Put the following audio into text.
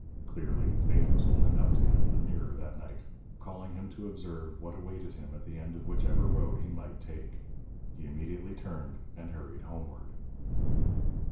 Clearly, Fate was holding up to him the mirror that night, calling him to observe what awaited him at the end of whichever road he might take. He immediately turned, and hurried homeward.